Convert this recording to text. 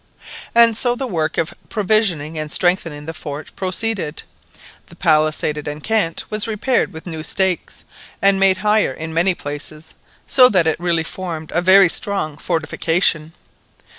And so the work of provisioning and strengthening the fort proceeded. The palisaded enceinte was repaired with new stakes, and made higher in many places, so that it really formed a very strong fortification.